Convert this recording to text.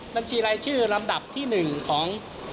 บัญชีลายชื่อลำดับที่หนึ่งของ